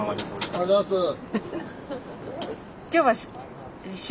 ありがとうございます。